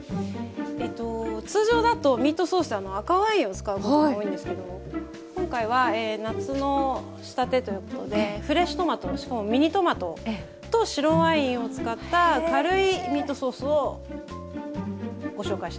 通常だとミートソースって赤ワインを使うことが多いんですけど今回は夏の仕立てということでフレッシュトマトしかもミニトマトと白ワインを使った軽いミートソースをご紹介したいと思います。